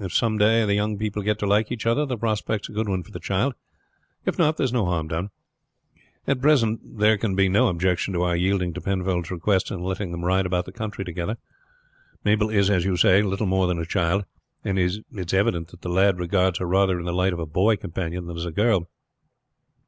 If some day the young people get to like each other the prospect is a good one for the child; if not, there's no harm done. At present there can be no objection to our yielding to Penfold's request and letting them ride about the country together. Mabel is, as you say, little more than a child, and it is evident that the lad regards her rather in the light of a boy companion than as a girl.